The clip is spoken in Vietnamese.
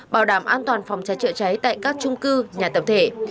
bảo đảm an toàn phòng cháy chạy cháy tại các chung cư nhà thập thể